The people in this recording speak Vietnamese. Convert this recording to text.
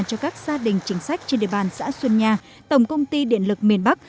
cho các gia đình chính sách trên địa bàn xã xuân nha tổng công ty điện lực miền bắc